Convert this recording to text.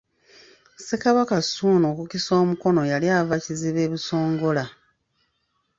Ssekabaka Ssuuna okukisa omukono yali ava Kiziba e Busongola .